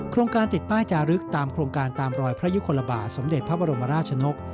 การติดป้ายจารึกตามโครงการตามรอยพระยุคลบาทสมเด็จพระบรมราชนก